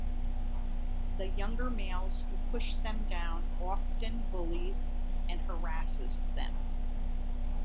The younger males who pushed them down often bullies and harasses them.